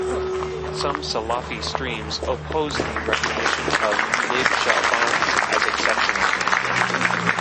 Some Salafi streams oppose the recognition of Mid-Sha'ban as exceptional.